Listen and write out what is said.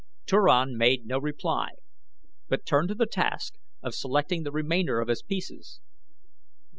Turan made no reply but turned to the task of selecting the remainder of his pieces.